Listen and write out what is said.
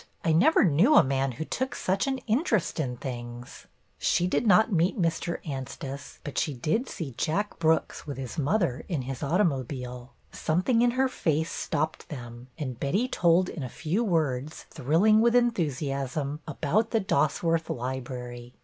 I never knew a man who took such an interest in things." She did not meet Mr. Anstice, but she did see Jack Brooks with his mother in his automobile. Something in her face stopped them and Betty told in a few words, thrilling with enthusiasm, about the Dosworth Library.